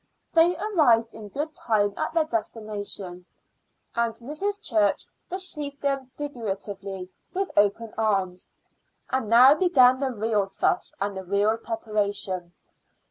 They arrived in good time at their destination, and Mrs. Church received them figuratively with open arms. And now began the real fuss and the real preparation.